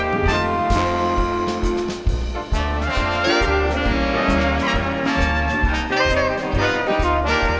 โปรดติดตามต่อไป